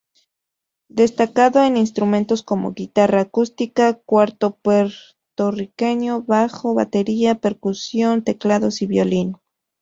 Destacado en instrumentos como: guitarra acústica, cuatro puertorriqueño, bajo, batería, percusión, teclados y violín.